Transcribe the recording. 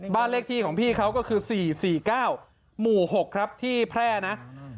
บ้านเลขที่ของพี่เขาก็คือสี่สี่เก้าหมู่หกครับที่แพร่นะ